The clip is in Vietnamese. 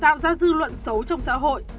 tạo ra dư luận xấu trong xã hội